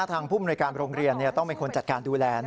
ผู้มนวยการโรงเรียนต้องเป็นคนจัดการดูแล